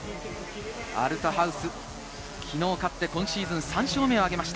アルトハウス、昨日勝って今シーズン３勝目を挙げました。